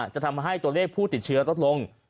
จะทำให้ตัวเลขผู้ติดเชื้อลดลง